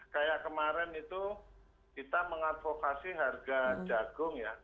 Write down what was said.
kayak kemarin itu kita mengadvokasi harga jagung ya